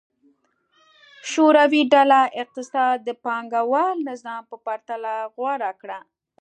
شوروي ډوله اقتصاد د پانګوال نظام په پرتله غوره دی.